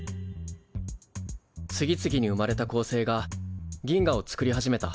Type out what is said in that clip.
次々に生まれた恒星が銀河をつくり始めた。